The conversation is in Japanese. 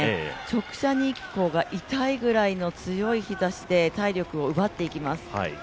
直射日光が痛いぐらいの強い日ざしで体力を奪っていきます。